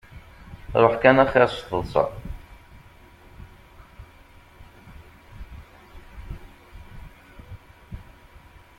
Ruḥ kan axir s taḍsa.